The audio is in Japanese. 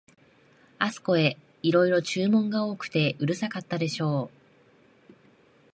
あすこへ、いろいろ注文が多くてうるさかったでしょう、